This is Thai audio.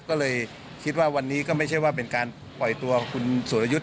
ก็เลยคิดว่าวันนี้ก็ไม่ใช่ว่าเป็นการปล่อยตัวคุณสุรยุทธ์